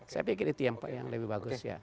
saya pikir itu yang lebih bagus ya